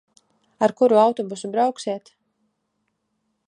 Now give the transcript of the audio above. Ar kuru autobusu brauksiet?